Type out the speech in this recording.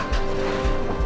mbak elsa apa yang terjadi